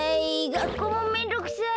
がっこうもめんどくさい！